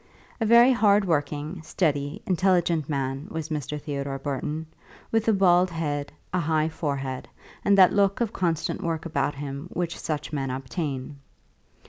A very hard working, steady, intelligent man was Mr. Theodore Burton, with a bald head, a high forehead, and that look of constant work about him which such men obtain.